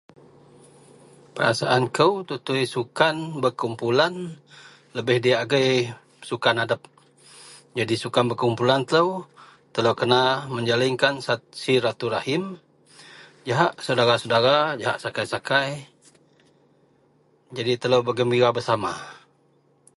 Perasaan kou tutui sukan berkumpulan lebeh diyak agei sukan adep. Jadi sukan berkumpulan telou, telou kena menjalinkan se silatulrahim jahak sedara-sedara jahak sakai-sakai, jadi telou bergembira bersama.